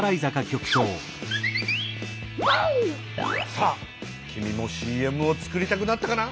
さあ君もＣＭを作りたくなったかな？